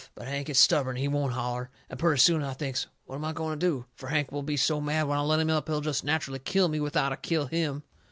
But Hank is stubborn and he won't holler. And purty soon I thinks, what am I going to do? Fur Hank will be so mad when I let him up he'll jest natcherally kill me, without I kill him.